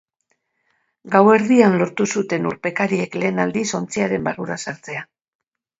Gauerdian lortu zuten urpekariek lehen aldiz ontziaren barrura sartzea.